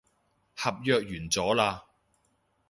合約完咗喇